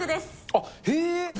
あっ、へー！